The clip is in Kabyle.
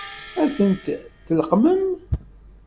Ad tent-tleqqmem?